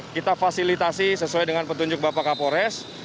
kita fasilitasi sesuai dengan petunjuk bapak kapolres